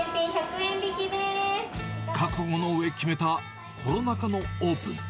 覚悟のうえ決めたコロナ禍のオープン。